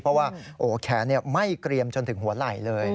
เพราะว่าแขนไม่เกรียมจนถึงหัวไหล่เลย